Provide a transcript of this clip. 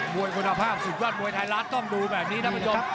วยคุณภาพสุดยอดมวยไทยรัฐต้องดูแบบนี้ท่านผู้ชม